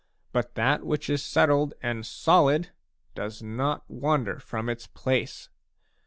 But that which is settled and solid does not wander from its place.